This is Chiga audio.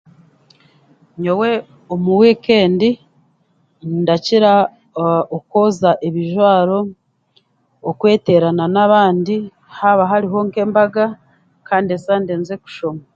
Nyowe omu wikendi ndakira okwoza ebijwaro, okweterana n'abandi haaba hariho nk'embaga kandi esande nze kushoma